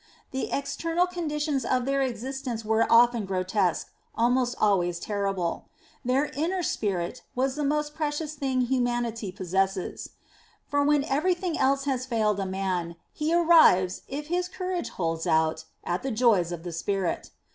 The external conditions of their existence were often grotesque, almost always terrible. Their inner spirit was the most precious thing humanity possesses. For when everything else has failed a man, he arrives, if his courage holds out, at the joys of the spirit.